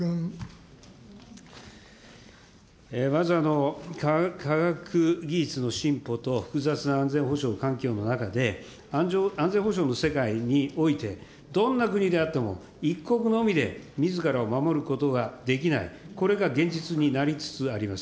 まず、科学技術の進歩と複雑な安全保障環境の中で、安全保障の世界において、どんな国であっても、一国のみでみずからを守ることができない、これが現実になりつつあります。